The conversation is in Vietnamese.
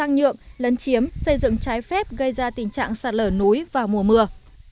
hàng nhượng lân chiếm xây dựng trái phép gây ra tình trạng sạt lở núi vào mùa mưa